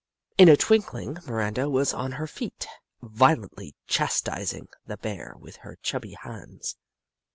In a twinkling, Miranda was on her feet, violently chastising the Bear with her chubby hands.